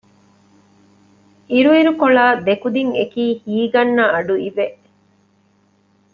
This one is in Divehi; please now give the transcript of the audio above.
އިރުއިރުކޮޅާ ދެކުދިން އެކީ ހީގަންނަ އަޑުއިވެ